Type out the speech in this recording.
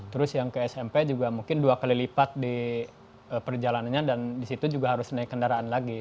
terus yang ke smp juga mungkin dua kali lipat di perjalanannya dan disitu juga harus naik kendaraan lagi